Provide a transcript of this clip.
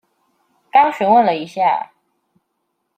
剛詢問了一下